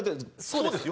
そうです。